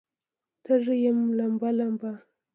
تږې یم لمبه، لمبه